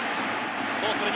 どうする？